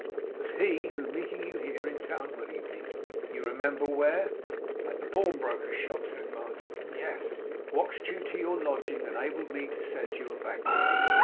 It was he, who meeting you here in town, one evening you remember where?' 'At the pawnbroker's shop,' said Martin. 'Yes; watched you to your lodging, and enabled me to send you a bank note.